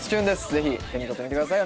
ぜひ手に取ってみてください。